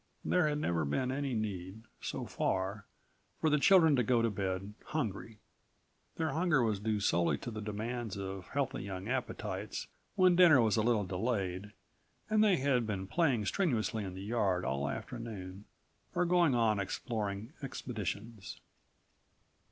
There had never been any need, so far, for the children to go to bed hungry. Their hunger was due solely to the demands of healthy young appetites when dinner was a little delayed and they had been playing strenuously in the yard all afternoon or going on exploring expeditions.